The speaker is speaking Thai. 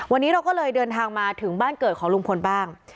วันนี้เราก็เลยเดินทางมาถึงบ้านเกิดของลุงพลบ้าง